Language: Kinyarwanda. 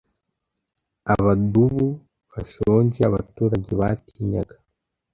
abadubu bashonje abaturage batinyaga